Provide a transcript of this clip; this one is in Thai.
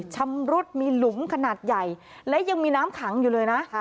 ชำรุดมีหลุมขนาดใหญ่และยังมีน้ำขังอยู่เลยนะ